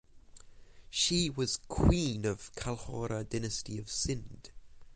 She was queen of Kalhora dynasty of Sindh.